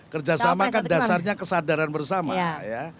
kerjasama kan dasarnya kesadaran bersama ya